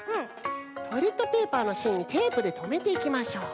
トイレットペーパーのしんにテープでとめていきましょう。